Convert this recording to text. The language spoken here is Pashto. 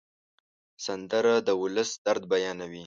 سندره د ولس درد بیانوي